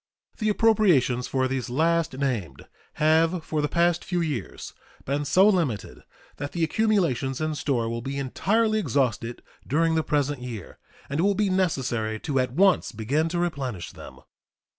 The appropriations for these last named have for the past few years been so limited that the accumulations in store will be entirely exhausted during the present year, and it will be necessary to at once begin to replenish them.